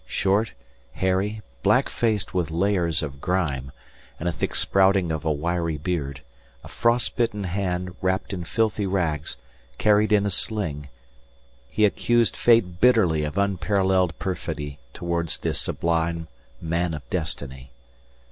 Short, hairy, black faced with layers of grime, and a thick sprouting of a wiry beard, a frost bitten hand, wrapped in filthy rags, carried in a sling, he accused fate bitterly of unparalleled perfidy towards the sublime Man of Destiny.